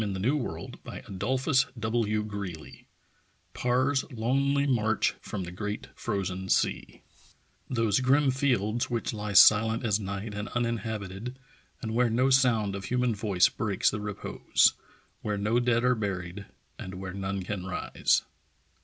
PARR'S LONELY MARCH FROM THE GREAT FROZEN SEA PARR'S LONELY MARCH FROM THE GREAT FROZEN SEA Those grim fields which he silent as night and unin habited, and where no sound of human voice breaks the re pose, where no dead are buried and where none can rise.